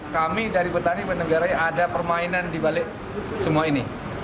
kami dari petani menegarai ada permainan di balik semua ini